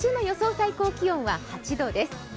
最高気温は８度です。